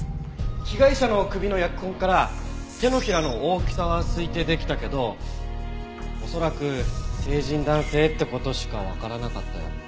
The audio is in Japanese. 被害者の首の扼痕から手のひらの大きさは推定できたけど恐らく成人男性って事しかわからなかったよ。